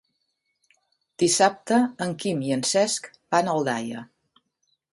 Dissabte en Quim i en Cesc van a Aldaia.